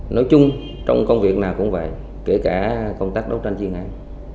nói chung trong công việc nào cũng vậy kể cả công tác đấu tranh chuyên án